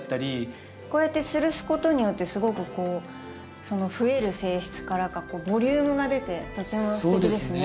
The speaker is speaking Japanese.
こうやってつるすことによってすごくこうそのふえる性質からかボリュームが出てとてもすてきですね。